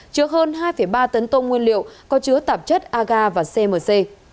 chứa hơn hai ba tấn tông nguyên liệu có chứa tạp chất agar và cmc